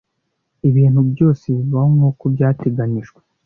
Ibintu byose bibaho nkuko byateganijwe.